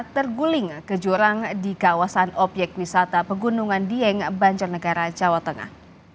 terguling ke jurang di kawasan obyek wisata pegunungan dieng banjarnegara jawa tengah